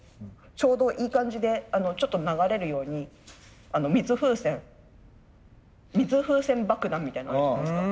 ちょうどいい感じでちょっと流れるように水風船水風船爆弾みたいのあるじゃないですか。